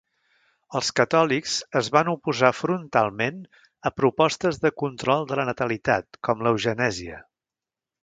Els catòlics es van oposar frontalment a propostes de control de la natalitat com l'eugenèsia.